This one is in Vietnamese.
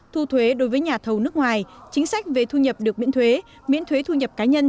thu thuế đối với nhà thầu nước ngoài chính sách về thu nhập được miễn thuế miễn thuế thu nhập cá nhân